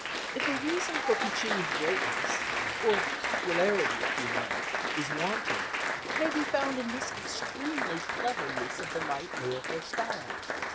If a reason for Puccini's greatness or popularity, if you will is wanted, it may be found in this extremely clever use of the light lyrical style.